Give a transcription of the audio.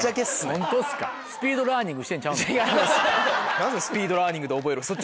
何でスピードラーニングで覚える。